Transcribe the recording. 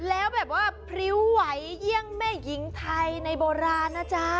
แล้วแบบว่าพริ้วไหวเยี่ยงแม่หญิงไทยในโบราณนะจ๊ะ